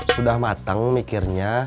sudah matang mikirnya